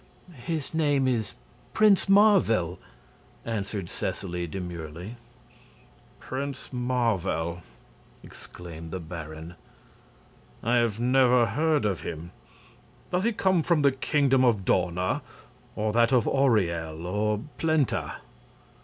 "His name is Prince Marvel," answered Seseley, demurely. "Prince Marvel?" exclaimed the Baron. "I have never heard of him. Does he come from the Kingdom of Dawna, or that of Auriel, or Plenta?"